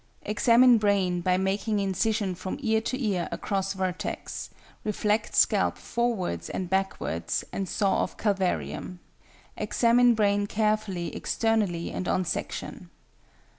Examine brain by making incision from ear to ear across vertex, reflect scalp forwards and backwards, and saw off calvarium. Examine brain carefully externally and on section.